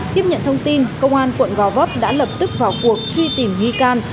tiếp nhận thông tin công an quận gò vấp đã lập tức vào cuộc truy tìm nghi can